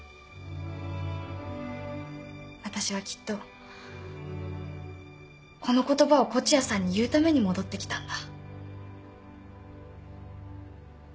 私はきっとこの言葉を東風谷さんに言うために戻ってきたんだ。